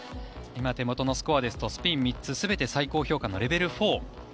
今手元のスコアですとスピン３つ全て最高のレベル